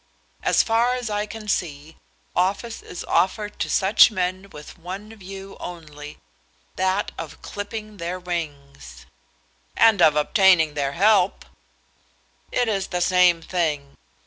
As far as I can see, office is offered to such men with one view only, that of clipping their wings." "And of obtaining their help." "It is the same thing.